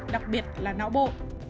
đặc biệt là não bộ